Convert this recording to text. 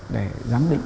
để giám định